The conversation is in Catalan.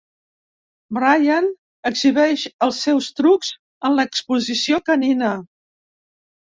Brian exhibeix els seus trucs en l'exposició canina.